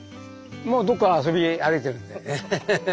もうどっか遊び歩いてるんだよね。